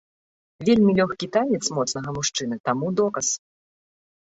Вельмі лёгкі танец моцнага мужчыны таму доказ.